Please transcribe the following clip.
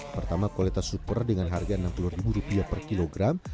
pertama kualitas super dengan harga rp enam puluh per kilogram